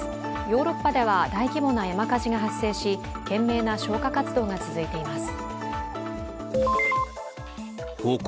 ヨーロッパでは大規模な山火事が発生し、懸命な消火活動が続いています。